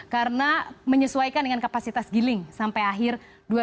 karena menyesuaikan dengan kapasitas giling sampai akhir dua ribu enam belas